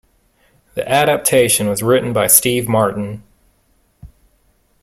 The adaptation was written by Steve Martin.